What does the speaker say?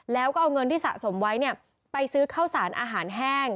แล้วก็เอาเงินที่สะสมไว้ไปซื้อข้าวสารอาหารแห้ง